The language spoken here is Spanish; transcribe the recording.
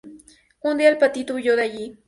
Un día el patito huyó de allí.